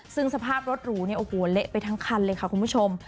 ซึ่งสภาพรถหรูเนี่ยโอ้โหเละไปทั้งคันเลยค่ะคุณผู้ชม